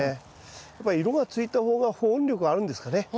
やっぱり色がついた方が保温力あるんですかね。